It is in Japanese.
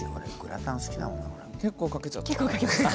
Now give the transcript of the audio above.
結構かけちゃった。